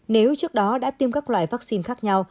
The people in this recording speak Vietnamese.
nếu trước đó đã tiêm các loại vắc xin khác nhau